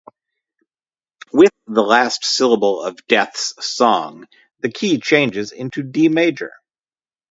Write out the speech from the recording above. With the last syllable of Death's song, the key changes into D major.